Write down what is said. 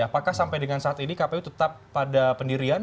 apakah sampai dengan saat ini kpu tetap pada pendirian